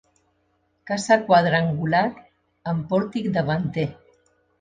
Casa quadrangular amb pòrtic davanter.